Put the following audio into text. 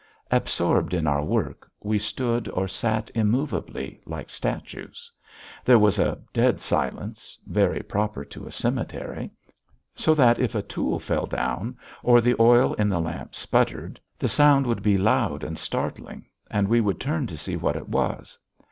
Absorbed in our work, we stood or sat immovably, like statues; there was a dead silence, very proper to a cemetery, so that if a tool fell down, or the oil in the lamp spluttered, the sound would be loud and startling, and we would turn to see what it was.